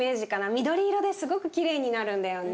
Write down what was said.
緑色ですごくきれいになるんだよね。